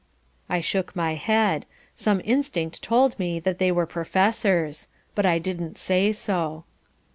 I shook my head. Some instinct told me that they were professors. But I didn't say so.